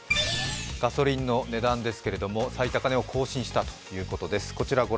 ガソリンの値段ですけど、最高値を更新したということです。